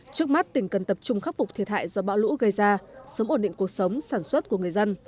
trước mắt tỉnh cần tập trung khắc phục thiệt hại do bão lũ gây ra sớm ổn định cuộc sống sản xuất của người dân